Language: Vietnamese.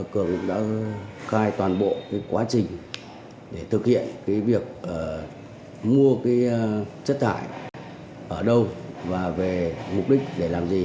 cường cũng đã khai toàn bộ quá trình để thực hiện việc mua cái chất thải ở đâu và về mục đích để làm gì